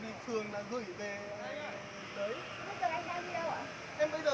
còn bây giờ